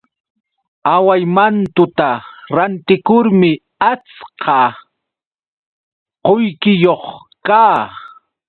Awaymantuta rantikurmi achka qullqiyuq kaa.